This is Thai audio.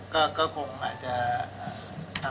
ก็คงอาจจะ